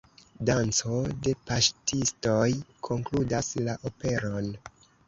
Danco de paŝtistoj konkludas la operon.